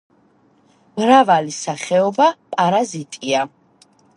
მრავალი სახეობა პარაზიტია.